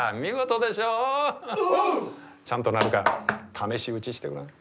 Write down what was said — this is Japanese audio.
ちゃんと鳴るか試し打ちしてごらん。